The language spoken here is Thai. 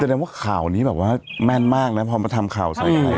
จะได้มัดว่าข่าวนี้แม่นมากนะพอมาทำข่าว